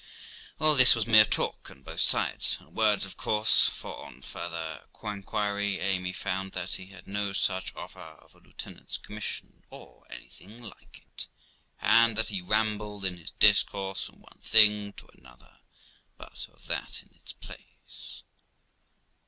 All this was mere talk on both sides, and words, of course; for, on farther inquiry, Amy found that he had no such offer of a lieutenant's commission, or anything like it; and that he rambled in his discourse from one thing to another; but of that in its place.